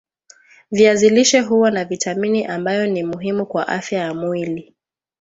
viazi lishe huwa na vitamini ambayo ni muhimu kwa afya ya mwili